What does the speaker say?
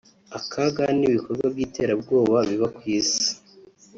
akaga n'ibikorwa by'iterabwoba biba ku isi